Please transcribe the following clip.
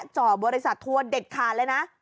จ่อบริษัททัวร์เด็ดขาดเลยนะ